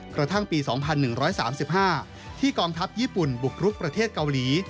กระทั่งปี๒๑๓๕ที่กองทัพญี่ปุ่นบุกรุกประเทศเกาหลี